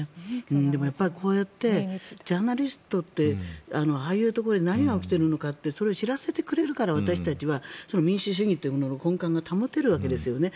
でもこうやってジャーナリストってああいうところで何が起きているのかってそれを知らせてくれるから私たちは民主主義というものの根幹が保てるわけですよね。